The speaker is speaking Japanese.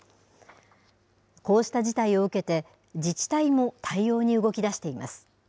こうした事態を受けて、自治体も対応に動きだしています。